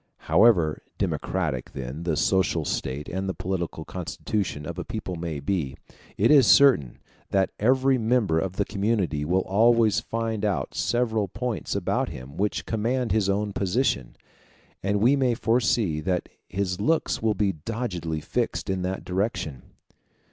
However democratic then the social state and the political constitution of a people may be, it is certain that every member of the community will always find out several points about him which command his own position; and we may foresee that his looks will be doggedly fixed in that direction.